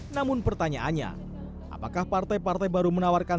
namun pertanyaannya apakah partai partai baru menawarkan